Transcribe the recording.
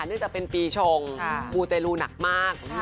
เนื่องจากเป็นปีชงมูเตรลูหนักมาก